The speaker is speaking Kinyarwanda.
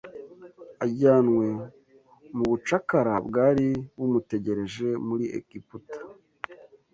ajyanwe mu bucakara bwari bumutegereje muri Egiputa